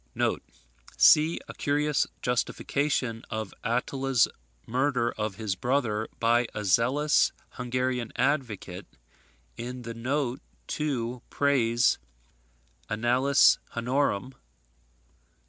[See a curious justification of Attila's murder of his brother, by a zealous Hungarian advocate, in the note to Pray's "Annales Hunnorum," p.